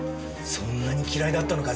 そんなに嫌いだったのか？